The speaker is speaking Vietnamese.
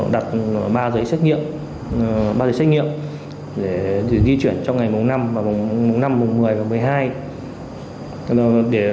đặt ba giấy xét nghiệm để di chuyển trong ngày mùng năm mùng một mươi và mùng một mươi hai